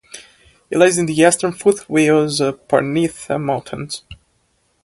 It lies in the eastern foothills of the Parnitha mountains.